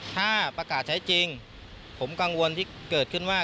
ถ้าประกาศใช้จริงผมกังวลที่เกิดขึ้นว่า